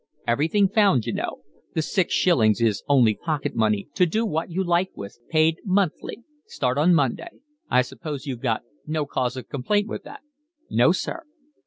Everything found, you know; the six shillings is only pocket money, to do what you like with, paid monthly. Start on Monday. I suppose you've got no cause of complaint with that." "No, sir."